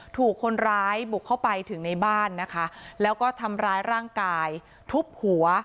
ถูกคนร้ายบุกเข้าไปถึงในบ้านนะคะแล้วก็ทำร้ายร่างกายทุบหัว